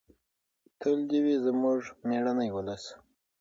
تل دې وي زموږ مېړنی ولس.